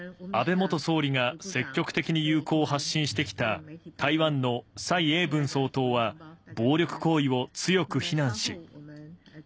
安倍元総理が積極的に友好を発信してきた台湾の蔡英文総統は、暴力行為を強く非難し。